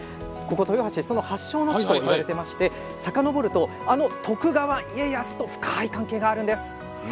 豊橋はその発祥の地といわれていまして、さかのぼると徳川家康と深い関係があるんです。